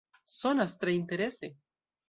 Sonas tre interese!